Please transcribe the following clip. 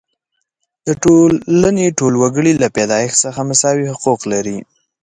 د ټولنې ټول وګړي له پیدایښت څخه مساوي حقوق لري.